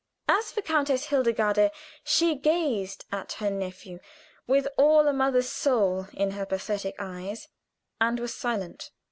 As for Countess Hildegarde, she gazed at her nephew with all a mother's soul in her pathetic eyes, and was silent.